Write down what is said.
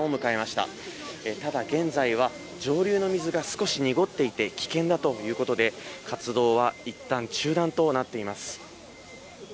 ただ現在は、上流の水が少し濁っていて、危険だということで、活動はいったん中断となっています。